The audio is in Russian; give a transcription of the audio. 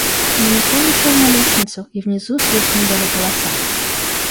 Но никто не шел на лестницу, и внизу слышны были голоса.